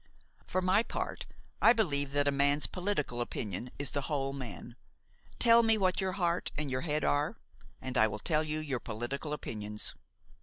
For my part, I believe that a man's political opinion is the whole man. Tell me what your heart and your head are and I will tell you your political opinions.